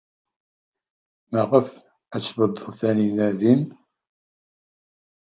Maɣef ay tebded Taninna din?